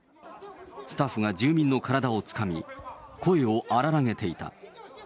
スタッフが住民の体をつかみ、声を荒らげていた。